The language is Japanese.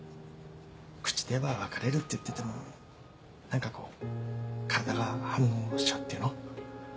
口では別れるって言ってても何かこう体が反応しちゃうっていうの？